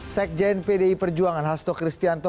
sekjen pdi perjuangan hasto kristianto